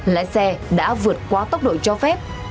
lái xe đã vượt qua tốc độ cho phép